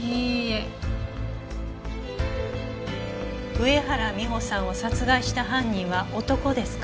上原美帆さんを殺害した犯人は男ですか。